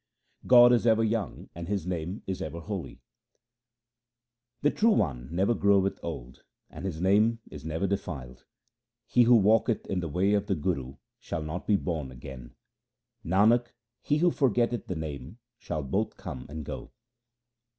God is ever young, and His name is ever holy :— The True One never groweth old, and His name is never defiled. He who walketh in the way of the Guru shall not be born again. Nanak, he who forgetteth the Name shall both come and go.